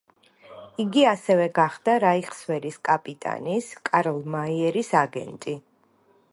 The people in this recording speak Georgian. იგი ასევე გახდა რაიხსვერის კაპიტანის, კარლ მაიერის აგენტი.